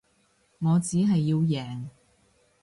我只係要贏